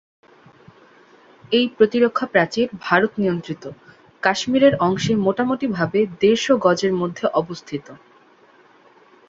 এই প্রতিরক্ষা প্রাচীর ভারত নিয়ন্ত্রিত কাশ্মীরের অংশে মোটামুটি ভাবে দেড়শ গজের মধ্যে অবস্থিত।